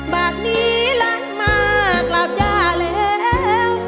บากนี้ลักมากลับยาแล้ว